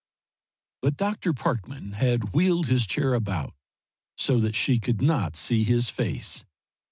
But Dr. Parkman had wheeled his chair about so that she could not see his face.